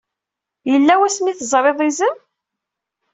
Yella wasmi ay teẓrid izem?